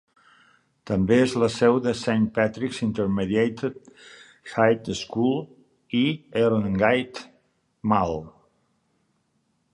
També és la seu de Saint Patrick's Intermediate High School i Herongate Mall.